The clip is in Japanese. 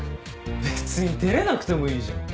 べつにてれなくてもいいじゃん。